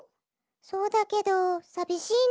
そうだけどさびしいの。